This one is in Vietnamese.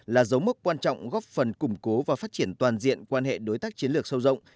là dấu mốc quan trọng góp phần củng cố và phát triển toàn diện quan hệ đối tác chiến lược sâu rộng